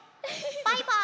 バイバーイ！